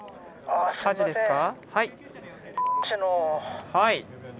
火事ですか？